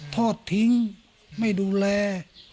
ทอดทิ้งไม่ดูแล